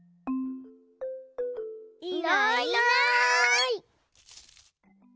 いないいない。